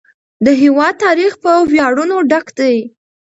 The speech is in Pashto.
د هېواد تاریخ په ویاړونو ډک دی.